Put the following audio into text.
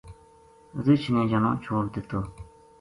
رچھ نے جنو چھوڈ دتو